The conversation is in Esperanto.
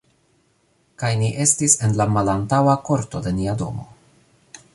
Kaj ni estis en la malantaŭa korto de nia domo.